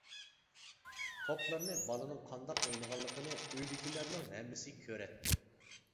توپلارنى بالىنىڭ قانداق ئوينىغانلىقىنى ئۆيدىكىلەرنىڭ ھەممىسى كۆرەتتى.